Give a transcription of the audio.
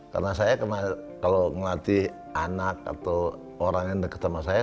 karena saya kalau ngelatih anak atau orang yang deket sama saya